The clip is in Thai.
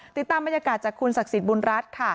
ติดตามบรรยากาศจากคุณศักดิ์สิทธิบุญรัฐค่ะ